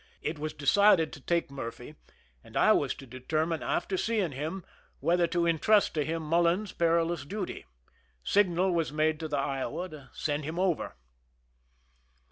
It was decided to take \ Murphy, and I was to determine after seeing him ^ whether to intrust to him Mullen's perilous duty. ' Signal was made to the Iowa to send him over.